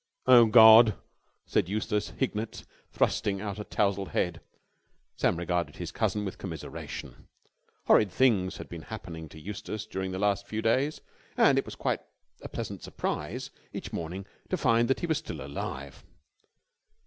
"Oh, God!" said Eustace Hignett thrusting out a tousled head. Sam regarded his cousin with commiseration. Horrid things had been happening to Eustace during the last few days, and it was quite a pleasant surprise each morning to find that he was still alive.